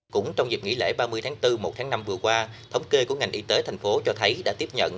cũng trong dịp nghỉ lễ ba mươi tháng bốn một tháng năm vừa qua thống kê của ngành y tế thành phố cho thấy đã tiếp nhận